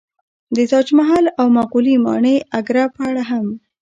د تاج محل او مغولي ماڼۍ اګره په اړه هم